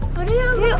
udah ya makasih banget